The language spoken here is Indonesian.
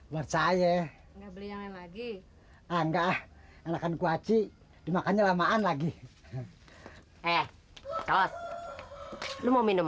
buat saya lagi enggak enakan kuaci dimakannya lamaan lagi eh lu mau minum